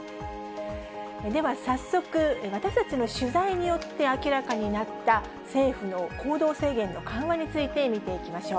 では早速、私たちの取材によって明らかになった政府の行動制限の緩和について、見ていきましょう。